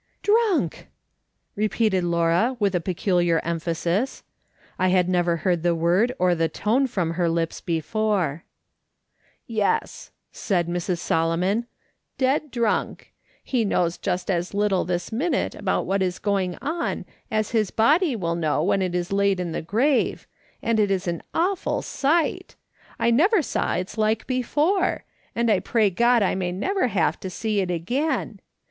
" Drunk!" repeated Laura with a peculiar emphasis. I had never heard the word or the tone from her lips before, " Yes," said Mrs. Solomon, " dead drunk. He knows just as little this minute about what is going on as his body will know when it is laid in the grave; and it is an awful sight ! I never saw its like before, and I pray God I may never have to see it again.